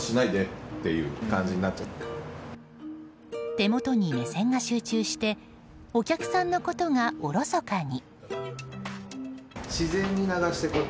手元に目線が集中してお客さんのことがおろそかに。